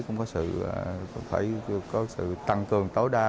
cũng có sự tăng cường tối đa